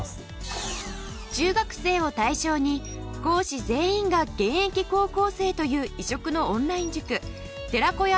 中学生を対象に講師全員が現役高校生という異色のオンライン塾寺子屋